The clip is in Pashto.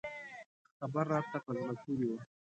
خبر راته په زړه پورې و.